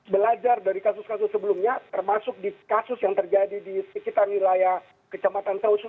belajar dari kasus kasus sebelumnya termasuk di kasus yang terjadi di sekitar wilayah kecamatan kausu